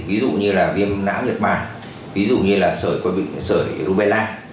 ví dụ như là viêm nã nhiệt mạng ví dụ như là sở coi bệnh sở rubella